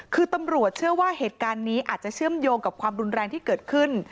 คือตำรวจเชื่อว่าเหตุการณ์นี้อาจจะเชื่อมโยงกับความรุนแรงที่เกิดขึ้น